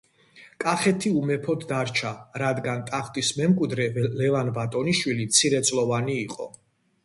კახეთი უმეფოდ დარჩა, რადგან ტახტის მემკვიდრე, ლევან ბატონიშვილი მცირეწლოვანი იყო.